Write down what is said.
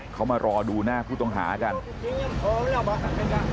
เขามารอดูหน้าผู้ต้องหากัน